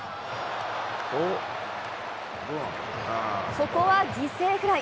ここは犠牲フライ。